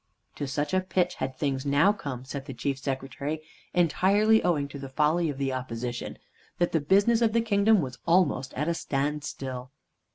To such a pitch had things now come, said the Chief Secretary, entirely owing to the folly of the Opposition, that the business of the kingdom was almost at a standstill.